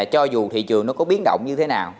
cho dù thị trường nó có biến động như thế nào